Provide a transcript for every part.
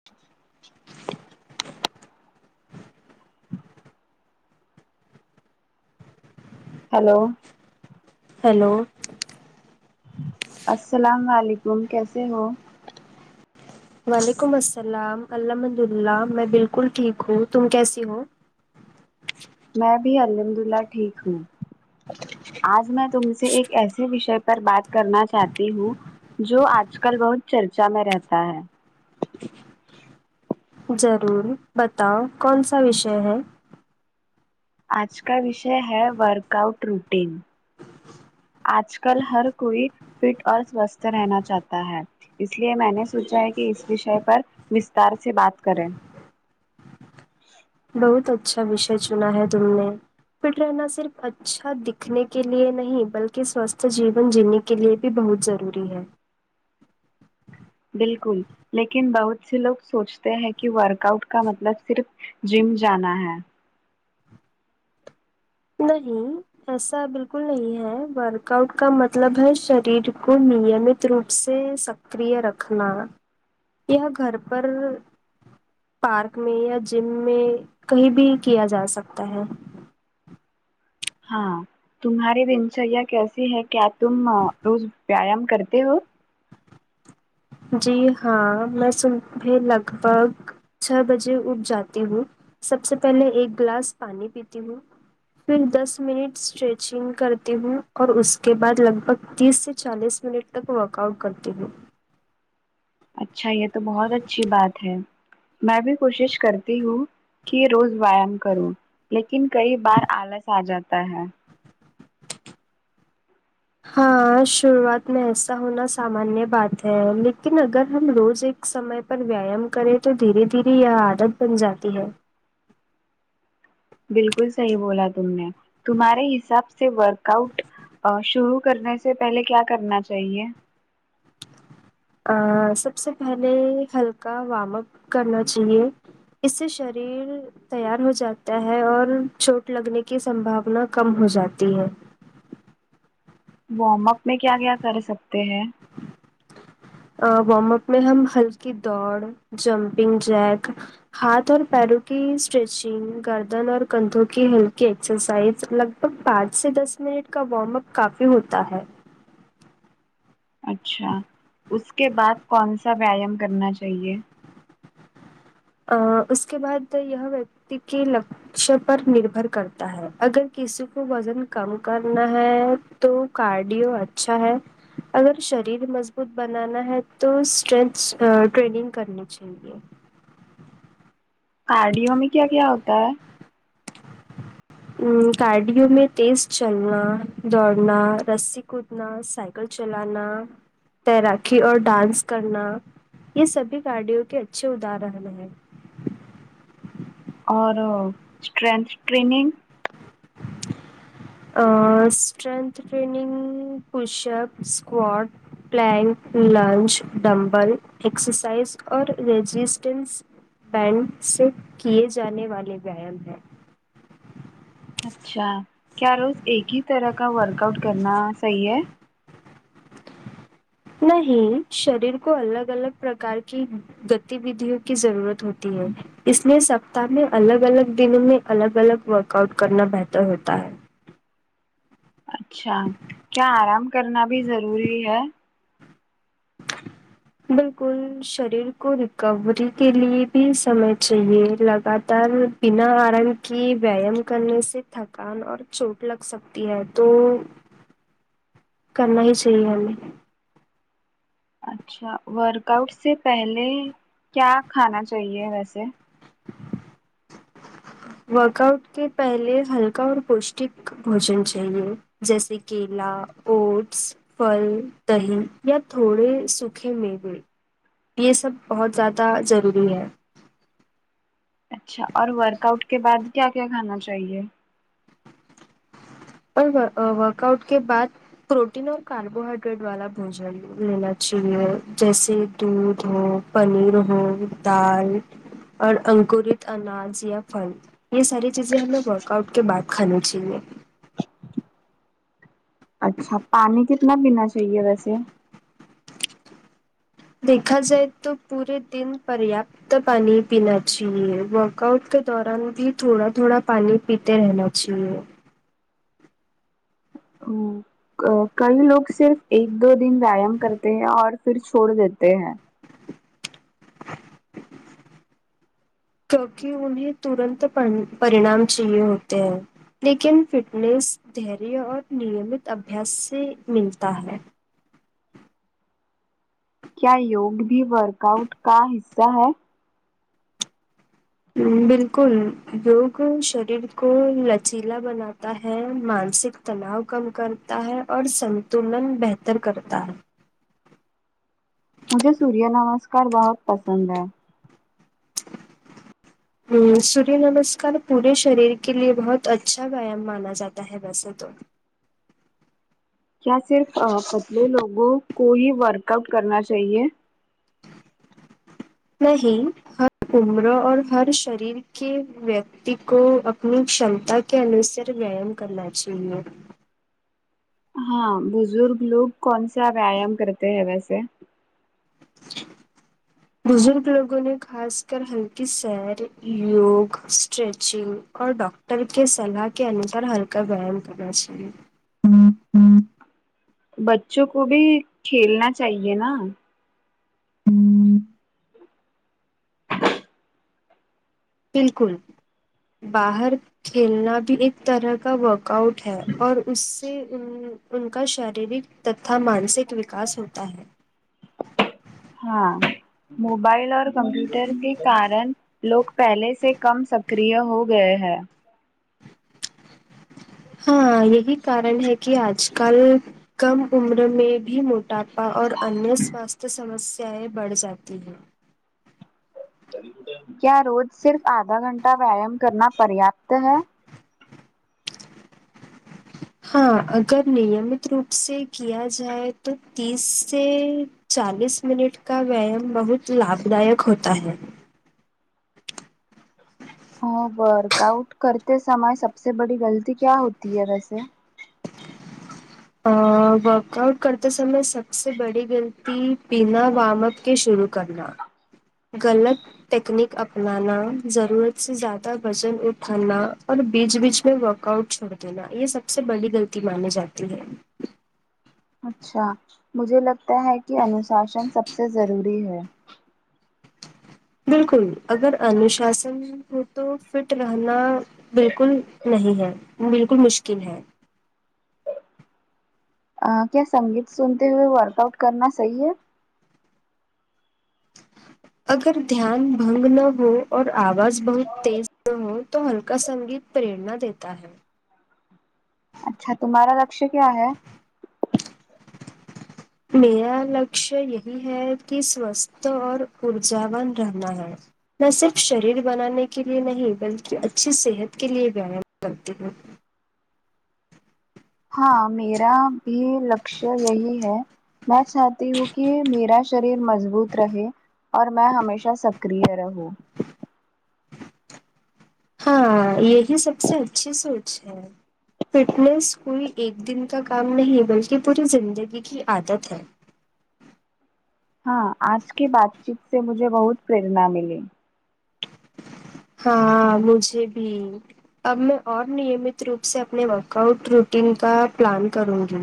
[inaudible] hello hello السلام علیکم کیسے ہو وعلیکم السلام الحمدللہ میں بالکل ٹھیک ہوں تم کیسی ہو میں بھی الحمدللہ ٹھیک ہوں آج میں تم سے ایک ایسے وشے پر بات کرنا چاہتی ہوں جو آج کل بہت چرچا میں رہتا ہے ضرور بتاؤ کون سا وشے ہے آج کا وشے ہے ورک آؤٹ روٹین آج کل ہر کوئی فٹ اور سوستھ رہنا چاہتا ہے اس لیے میں نے سوچا ہے کہ اس وشے پر وستار سے بات کریں بہت اچھا وشے چنا ہے تم نے فٹ رہنا صرف اچھا دکھنے کے لیے نہیں بلکہ سوستھ جیون جینے کے لیے بھی بہت ضروری ہے بالکل لیکن بہت سے لوگ سوچتے ہیں کہ ورک آؤٹ کا مطلب صرف جم جانا ہے نہیں ایسا بالکل نہیں ہے ورک آؤٹ کا مطلب ہے شریر کو نیمیت روپ سے سک کریہ رکھنا یا گھر پر پارک میں یا جم میں کہیں بھی کیا جاسکتا ہے ہاں تمہارے دنچریا کیسے ہیں کیا تم روز ویایام کرتے ہو جی ہاں میں صبح لگ بھگ چھ بجے اٹھ جاتی ہوں سب سے پہلے ایک گلاس پانی پیتی ہوں پھر دس منٹ اسٹریچنگ کرتی ہوں اور اس کے بعد لگ بھگ تیس سے چالیس منٹ تک ورک آؤٹ کرتی ہوں اچھا یہ تو بہت اچھی بات ہے میں بھی کوشش کرتی ہوں کہ روز ویام کروں لیکن کئی بار آلس آجاتا ہے ہر شروعات میں ایسا ہونا سامانیہ بات ہے لیکن اگر ہم روز ایک سمے پر ویام کرے تو دھیرے دھیرے یہ عادت بن جاتی ہے بالکل صحیح بولا تم نے تمہارے حساب سے ورک آؤٹ آ شروع کرنے سے پہلے کیا کرنا چاہیے آں سب سے پہلے ہلکا وارم اپ کرنا چاہیے اس سے شریر تیار ہو جاتا ہے اور چوٹ لگنے کی سمبھاونا کم ہو جاتی ہے وارم اپ میں کیا کیا کر سکتے ہیں وارم اپ میں ہم ہلکی دوڑ جمپنگ جیک ہاتھ اور پیروں کی اسٹریچنگ گردن اور کندھوں کی ہلکی ایکسرسائز لگ بھگ پانچ سے دس منٹ کا وارم اپ کافی ہوتا ہے اچھا اس کے بعد کون سا ویایام کرنا چاہیے آ اس کے بعد یہ ویکتی کی ل کش پر نربھر کرتا ہے اگر کسی کو وزن کم کرنا ہے تو کارڈیو اچھا ہے اگر شریر مضبوط بنانا ہے تو اسٹرینچھ ٹریننگ کرنی ٹھیک ہے کارڈیو میں کیا کیا ہوتا ہے ہوں کارڈیوں میں تیز چلنا دوڑنا رسی کودنا سائ کل چلانا تیراکی اور ڈانس کرنا یہ سبھی کارڈیوں کے اچھے ادھارن ہیں اور اسٹرینتھ ٹریننگ اں strength training push up squat plank lunge dumbbell exercise اور رجسٹینس بینڈ سے کیے جانے والے ویایام ہیں اچھا کیا روز ایک ہی طرح کا ورک آؤٹ کرنا صحیح ہے نہیں شریر کو الگ الگ پرکار کی گتی ودھیوں کی ضرورت ہوتی ہے اس میں سب تہ میں الگ الگ دنوں میں الگ الگ ورک آؤٹ کرنا بہتر ہوتا ہے اچھا کیا آرام کرنا بھی ضروری ہے بالکل شریر کو ریکوری کے لیے بھی سمئے چاہیے لگاتار بنا آرام کے ویایام کرنے سے تھکان اور چوٹ لگ سک تی ہے تو کرنا ہی چاہیے ہمیں اچھا ورک آؤٹ سے پہلے کیا کھانا چاہیے ویسے ورک آؤٹ کے پہلے ہلکا اور پوشٹک بھوجن چاہیے جیسے کیلا اوٹس پھل دہی یا تھوڑے سوکھے میوے یہ سب بہت زیادہ ضروری ہے اچھا اور ورک آؤٹ کے بعد کیا کیا کھانا چاہیے اور ا ورک آؤٹ کے بعد پروٹین اور کاربوہڈریٹ والا بھوجن لینا چاہیے جیسے دودھ ہو پنیر ہو دال اور انکورت اناج یا پھل یہ ساری چیزیں ہمیں ورک آؤٹ کے بعد کھانی چاہیے اچھا پانی کتنا پینا چاہیے ویسے دیکھا جائے تو پورے دن پریاپ ت پانی پینا چاہیے ورک آؤٹ کے دوران بھی تھوڑا تھوڑا پانی پیتے رہنا چاہیے ہوں کئی لوگ صرف ایک دو دن ویایام کرتے ہیں اور پھر چھوڑ دیتے ہیں کیونکہ انہیں ترنت پر پرینام چاہیے ہوتے ہیں لیکن فٹنیس دھیریہ اور نیمت ابھیاس سے ملتا ہے کیا یوگ بھی ورک آؤٹ کا حصہ ہے بالکل یوگ شریر کو لچیلا بناتا ہے مانسک تناؤ کم کرتا ہے اور سنتولن بہتر کرتا ہے مجھے سوریہ نمسکار بہت پسند ہے ہوں سوریہ نمسار پورے شریر کے لیے بہت اچھا ویایام مانا جاتا ہے ہے ویسے تو کیا صرف پتلے لوگوں کو ہی ورک آؤٹ کرنا چاہیے نہیں ہر عمر اور ہر شریر کے ویکتی کو اپنی شانتا کے انوسار وایام کرنا چاہیے ہاں بزرگ لوگ کونسا ویایام کرتے ہیں ویسے بزرگ لوگوں نے خاص کر ہلکی سیر یوگ اسٹریچنگ اور ڈاکٹر کے سلاح کے انسار ہلکا وایم کرنا چاہیے بچوں کو بھی کھیلنا چاہیے نا بالکل باہر کھیلنا بھی ایک طرح کا ورک آؤٹ ہے اور اس سے ان کا شارییرک تک کا مانسک وکاس ہوتا ہے ہاں موبائل اور کمپیوٹر کے کارن لوگ پہلے سے کم سکرہ ہو گئے ہیں ہاں یہی کارن ہے کہ آج کل کم عمر میں بھی مو ٹاپا اور انیہ سواستھ سمسیایں بڑھ جاتی ہیں کیا روز صرف آدھا گھنٹہ ویایام کرنا پریاپت ہے ہاں اگر نیمت روپ سے کیا جائے تو تیس سے چالیس منٹ کا ویایام بہت لابھ دائک ہوتا ہے اور ورک آؤٹ کرتے سمئے سب سے بڑی غلطی کیا ہوتی ہے ویسے ا ورک آؤٹ کرتے سمے سب سے بڑی غلطی بنا وارم اپ کے شروع کرنا غلط تٹیکنیک اپنانا ضرورت سے زیادہ وزن اٹھانا اور بیچ بیچ میں ورک کاؤنٹ چھوڑ دینا یہ سب سے بڑی غلطی مانی جاتی ہے اچھا مجھے لگتا ہے کہ انوشاسن سب سے ضروری ہے بالکل اگر انوشاسن کو تو فٹ رہنا بالکل نہیں ہے بالکل مشکل ہے کیا سنگیت سنتے ہوئے ورک آؤٹ کرنا صحیح ہے اگر دھیان بھنگ نہ ہو اور آواز بہت تیز نہ ہو تو ہلکا سنگیت پریرنا دیتا ہے اچھا تمہارا لکش کیا ہے میرا لکش یہی ہے کہ سوستھ اور ارجا ون رہنا ہے نہ صرف شریر بنانے کے لیے نہیں بلکہ اچھی صحت کے لیے ویایام کرتی ہے ہاں میرا بھی لکش یہی ہے میں چاہتی ہوں کہ میرا شریر مضبوط رہے اور میں ہمیشہ سکرہ رہوں ہاں یہی سب سے اچھی سوچ ہے فٹنس کوئی ایک دن کا کام نہیں بلکہ پوری زندگی کی عادت ہے ہاں آج کی بات چیت سے مجھے بہت پریرنا ملی ہاں مجھے بھی اب میں اور نیمت روپ سے اپنے ورک آؤٹ روٹین کا پلان کروں گی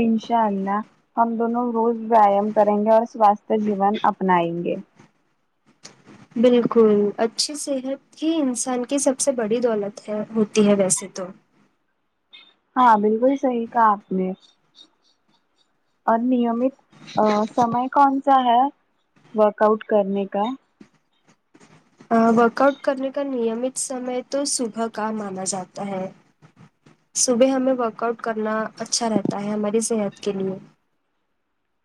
انشاء اللہ ہم دونوں روز ویام کریں گے اور سوستھ جیون اپنائیں گے بالکل اچھی صحت ہی انسان کی سب سے بڑی دولت ہے ہوتی ہے ویسے تو ہاں بالکل صحیح کہا آپ نے اور نیمت ا سمے کونسا ہے ورک آؤٹ کرنے کا ورک آؤٹ کرنے کا نیمت سمے تو صبح کا مانا جاتا ہے صبح ہمیں ورک آؤٹ کرنا اچھا رہتا ہے ہماری صحت کے لیے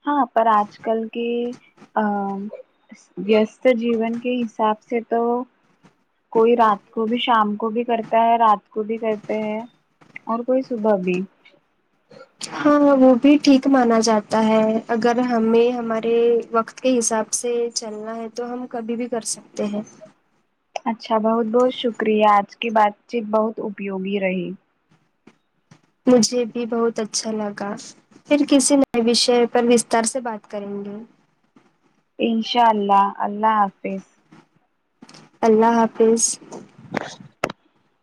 ہاں پر آج کل کے ا ویست جیون کے حساب سے تو کوئی رات کو بھی شام کو بھی کرتا ہے رات کو بھی کرتے ہے اور کوئی صبح بھی ہاں وہ بھی ٹھیک مانا جاتا ہے اگر ہمیں ہمارے وقت کے حساب سے چلنا ہے تو ہم کبھی بھی کر سکتے ہیں اچھا بہت بہت شکریہ آج کی بات چیت بہت اپیوگی رہی مجھے بھی بہت اچھا لگا پھر کسی نئے وشے پر وستار سے بات کریں گے انشاء اللہ اللہ حافظ اللہ حافظ [inaudible]